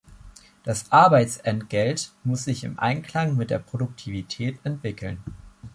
Das Arbeitsentgelt muss sich im Einklang mit der Produktivität entwickeln.